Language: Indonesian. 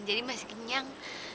jadi masih kenyang